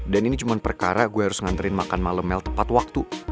dan ini cuma perkara gue harus nganterin makan malem mel tepat waktu